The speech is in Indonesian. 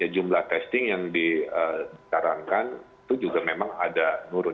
jumlah testing yang disarankan itu juga memang ada nurut